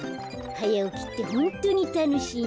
はやおきってホントにたのしいな。